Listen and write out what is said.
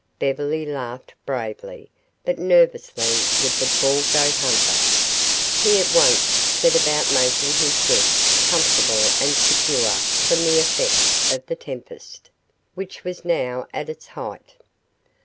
Beverly laughed bravely but nervously with the tall goat hunter. He at once set about making his guest comfortable and secure from the effects of the tempest, which was now at its height.